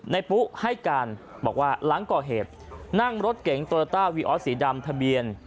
ปุ๊ให้การบอกว่าหลังก่อเหตุนั่งรถเก๋งโตโยต้าวีออสสีดำทะเบียน